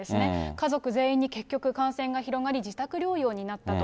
家族全員に結局、感染が広がり、自宅療養になったと。